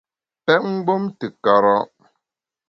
Pèt mgbom te kara’ !